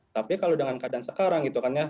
tapi kalau dengan keadaan sekarang gitu kan ya